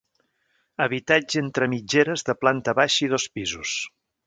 Habitatge entre mitgeres de planta baixa i dos pisos.